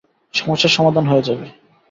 সমস্যা সমাধান হয়ে যাবে।